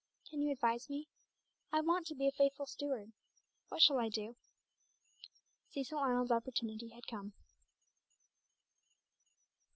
Can you advise me? I want to be a faithful steward. What shall I do?" Cecil Arnold's opportunity had come.